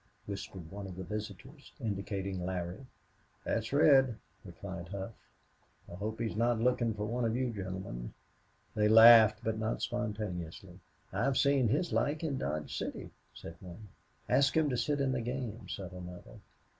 whispered one of the visitors, indicating Larry. "That's Red," replied Hough. "I hope he's not looking for one of you gentlemen." They laughed, but not spontaneously. "I've seen his like in Dodge City," said one. "Ask him to sit in the game," said another.